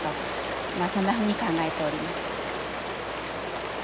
まあそんなふうに考えております。